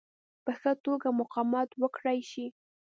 په ښه توګه مقاومت وکړای شي.